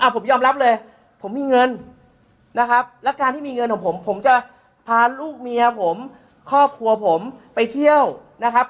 ผมยอมรับเลยผมมีเงินนะครับและการที่มีเงินของผมผมจะพาลูกเมียผมครอบครัวผมไปเที่ยวนะครับ